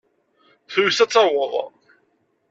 Tuyes ad taweḍ.